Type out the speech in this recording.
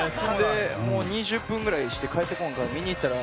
２０分ぐらいして帰ってこんから見に行ったら